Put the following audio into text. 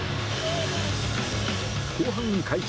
後半開始